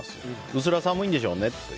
うすら寒いんでしょうねと。